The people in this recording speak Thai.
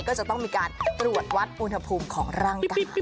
ก็จะต้องมีการตรวจวัดอุณหภูมิของร่างกาย